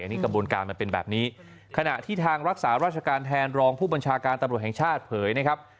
นี่กระบวนการมันเป็นแบบนี้ขณะที่ทางรักษาราชการแทนรองผู้บัญชาการตำรวจแห่งชาติเผยนะครับ